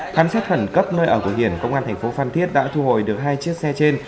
khán xét khẩn cấp nơi ở của hiển công an tp phan thiết đã thu hồi được hai chiếc xe trên